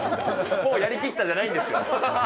もうやりきったじゃないんですよ。